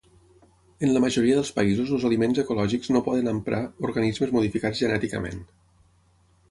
En la majoria dels països els aliments ecològics no poden emprar organismes modificats genèticament.